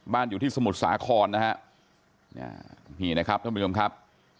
อยู่ที่สมุทรสาครนะฮะนี่นะครับท่านผู้ชมครับ